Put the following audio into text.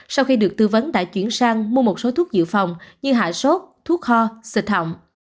sau khi được tư vấn đã chuyển sang mua một số thuốc dự phòng như hạ sốt thuốc kho xịt hỏng